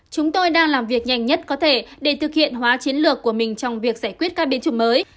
chúng tôi đang làm việc nhanh nhất có thể để thực hiện hóa chiến lược của mình trong việc giải quyết các biến chủng mới